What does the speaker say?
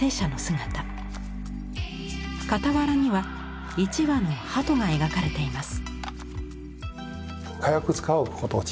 傍らには一羽の鳩が描かれています。